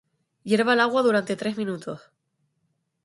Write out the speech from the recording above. hierva el agua durante tres minutos.